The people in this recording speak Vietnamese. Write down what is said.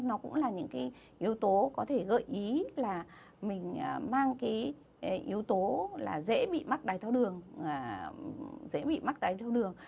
nó cũng là những yếu tố có thể gợi ý là mình mang yếu tố dễ bị mắc đáy thao đường